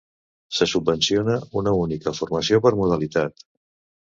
Se subvenciona una única formació per modalitat.